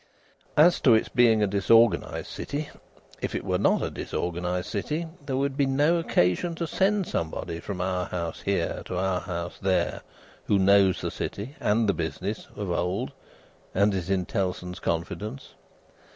As to its being a disorganised city, if it were not a disorganised city there would be no occasion to send somebody from our House here to our House there, who knows the city and the business, of old, and is in Tellson's confidence.